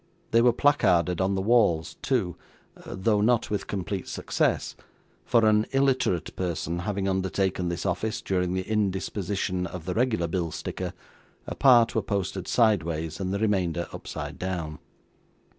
They were placarded on all the walls too, though not with complete success, for an illiterate person having undertaken this office during the indisposition of the regular bill sticker, a part were posted sideways, and the remainder upside down.